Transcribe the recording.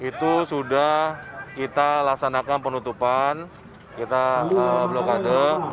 itu sudah kita laksanakan penutupan kita blokade